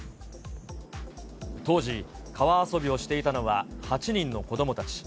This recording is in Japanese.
当時、川遊びをしていたのは８人の子どもたち。